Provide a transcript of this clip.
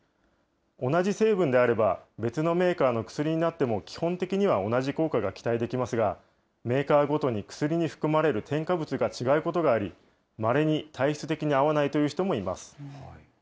同じ成分であれば、別のメーカーの薬になっても基本的には同じ効果が期待できますが、メーカーごとに薬に含まれる添加物が違うことがあり、まれに体質的に合わないという人もいます。